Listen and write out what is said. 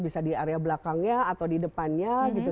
bisa di area belakangnya atau di depannya gitu